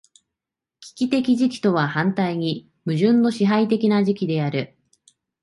危機的時期とは反対に矛盾の支配的な時期である。